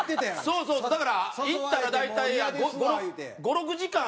そうそうだから行ったら大体５６時間。